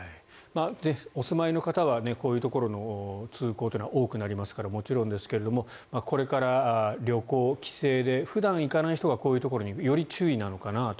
お住まいの方はこういうところの通行というのは多くなりますからもちろんですけどこれから旅行、帰省で普段行かない人がこういうところに行く時はより注意なのかなと。